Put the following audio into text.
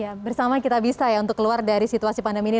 ya bersama kita bisa ya untuk keluar dari situasi pandemi ini